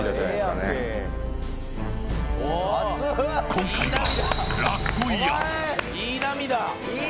今回がラストイヤー。